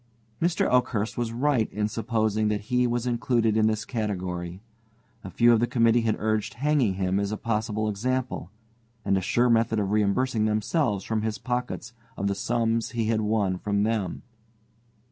Mr. Oakhurst was right in supposing that he was included in this category. A few of the committee had urged hanging him as a possible example, and a sure method of reimbursing themselves from his pockets of the sums he had won from them.